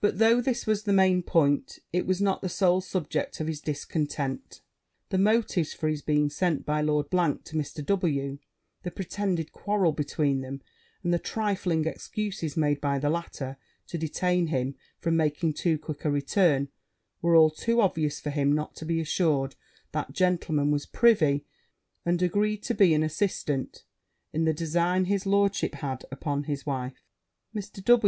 But though this was the main point, it was not the sole subject of his discontent. The motives for his being sent by Lord to Mr. W , the pretended quarrel between them, and the trifling excuses made by the latter to detain him from making too quick a return, were all too obvious for him not to be assured that gentleman was privy to, and agreed to be an assistant in, the design his lordship had upon his wife. Mr.